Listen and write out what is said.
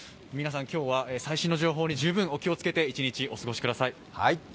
皆さん、今日は最新の情報に十分お気をつけて、一日お過ごしください。